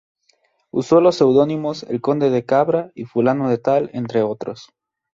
Usó los pseudónimos "El Conde de Cabra" y "Fulano de Tal" entre otros.